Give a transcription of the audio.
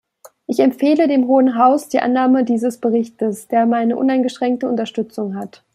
Ich empfehle dem Hohen Haus die Annahme dieses Berichts, der meine uneingeschränkte Unterstützung hat.